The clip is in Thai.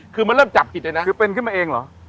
คือมันเริ่มจับผิดเลยนะคือเป็นขึ้นมาเองเหรอ